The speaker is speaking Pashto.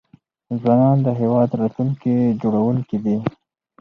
ځوانان د هيواد راتلونکي جوړونکي دي .